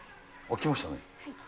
きましたね。